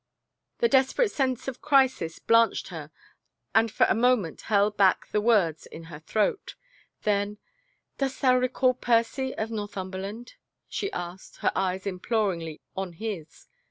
The desperate sense of crisis blanched her and for a mo ment held back the words in her throat. Then, " Dost thou recall Percy of Northumberland ?" she asked, her eyes imploringly on his.